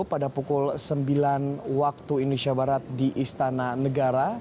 pada pukul sembilan waktu indonesia barat di istana negara